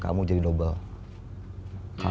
kamu harus nawasin dia juga